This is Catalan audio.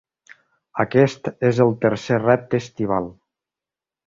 Aquest és el tercer repte estival.